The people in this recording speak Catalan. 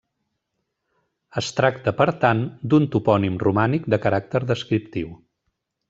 Es tracta, per tant, d'un topònim romànic de caràcter descriptiu.